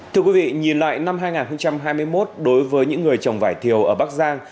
thưa quý vị nhìn lại năm hai nghìn hai mươi một đối với những người trồng vải thiều ở bắc giang